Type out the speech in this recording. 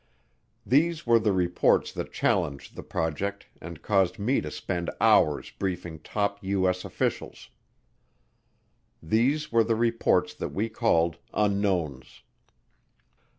These were the reports that challenged the project and caused me to spend hours briefing top U.S. officials. These were the reports that we called "Unknowns."